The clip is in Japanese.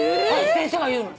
先生が言うの。